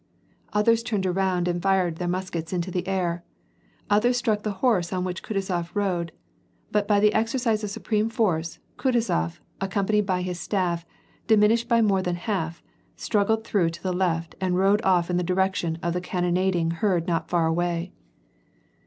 " Others turned WAR AND PEACE. 841 around and fired their muskets into the air ; others struck the horse on which 'Kutuzof rode, but by the exercise of supreme force, Kutuzof — accompanied by his staff, diminished by more than half — struggled through to the left and rode off is^ the direction of cannonading heard not far away.